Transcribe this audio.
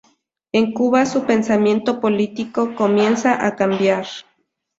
En Cuba su pensamiento político comienza a cambiar.